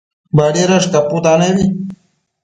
Badiadash caputanebi